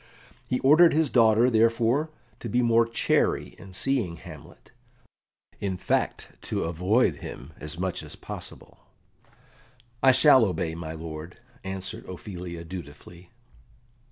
He ordered his daughter, therefore, to be more chary in seeing Hamlet in fact, to avoid him as much as possible. "I shall obey, my lord," answered Ophelia dutifully.